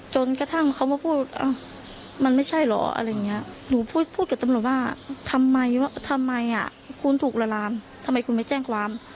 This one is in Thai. จนกระทั่งเขามาพูดมันไม่ใช่เหรออะไรอย่างนี้หนูพูดกับตำรวจว่าทำไมทำไมคุณถูกละลามทำไมคุณไม่แจ้งความ